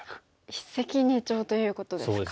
一石二鳥ということですか。